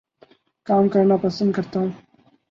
کام کرنا پسند کرتا ہوں